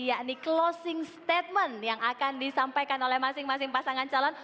yakni closing statement yang akan disampaikan oleh masing masing pasangan calon